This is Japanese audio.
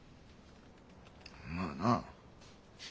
まあな。